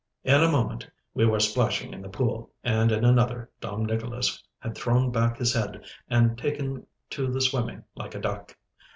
In a moment we were splashing in the pool, and in another Dom Nicholas had thrown back his head and taken to the swimming like a duck.